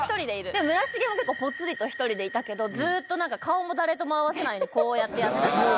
で村重も結構ぽつりと１人でいたけどずっと顔も誰とも合わせないでこうやってやってたから。